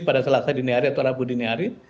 pada selasa dini hari atau rabu dini hari